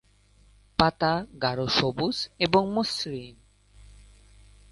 পাতা গাঢ়-সবুজ এবং মসৃণ।